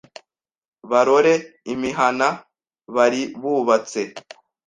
Barore imihana bari bubatse